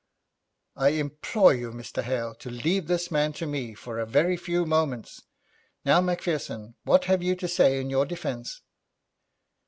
'I implore you, Mr. Hale, to leave this man to me for a very few moments. Now, Macpherson, what have you to say in your defence?'